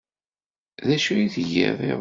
D acu ay tgiḍ iḍ yezrin?